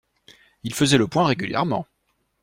Il faisait le point régulièrement.